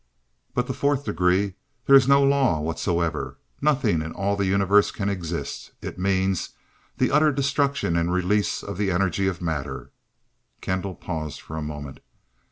"But the Fourth Degree there is no law whatsoever, nothing in all the Universe can exist. It means the utter destruction and release of the energy of matter!" Kendall paused for a moment.